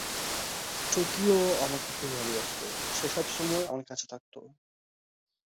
ওর মা ভুলে জ্বলন্ত মোমবাতি রেখে গিয়েছিলেন।